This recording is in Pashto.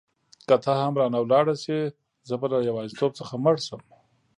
که ته هم رانه ولاړه شې زه به له یوازیتوب څخه مړ شم.